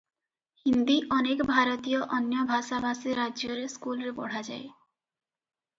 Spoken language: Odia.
ହିନ୍ଦୀ ଅନେକ ଭାରତୀୟ ଅନ୍ୟ ଭାଷାଭାଷୀ ରାଜ୍ୟରେ ସ୍କୁଲରେ ପଢ଼ାଯାଏ ।